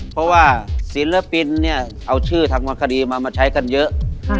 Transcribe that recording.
เพราะว่าศิลปินเนี่ยเอาชื่อทางวันคดีมามาใช้กันเยอะ